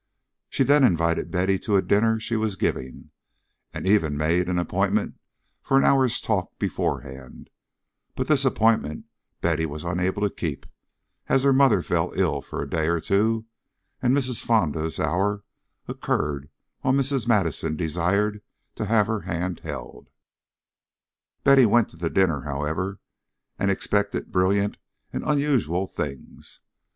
She then invited Betty to a dinner she was giving, and even made an appointment for an hour's "talk" beforehand; but this appointment Betty was unable to keep, as her mother fell ill for a day or two, and Mrs. Fonda's hour occurred while Mrs. Madison desired to have her hand held. Betty went to the dinner, however, and expected brilliant and unusual things.